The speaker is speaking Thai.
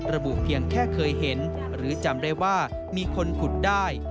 เพียงแค่เคยเห็นหรือจำได้ว่ามีคนขุดได้